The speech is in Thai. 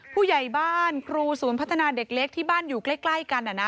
ผู้ใหญ่บ้านครูศูนย์พัฒนาเด็กเล็กที่บ้านอยู่ใกล้กัน